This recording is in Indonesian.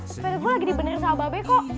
sepeda gue lagi dibenerin sama babeko